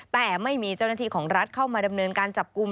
แต่ไม่มีเจ้าหน้าที่ของรัฐเข้ามาดำเนินการจับกลุ่ม